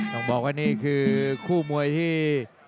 ต้องบอกว่านี่คือคู่มวยที่